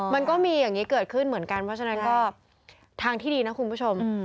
มันก็มีอย่างนี้เกิดขึ้นเหมือนกันเพราะฉะนั้นก็ทางที่ดีนะคุณผู้ชม